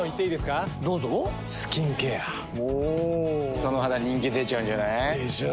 その肌人気出ちゃうんじゃない？でしょう。